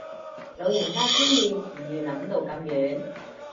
老人家觀念唔預諗到咁遠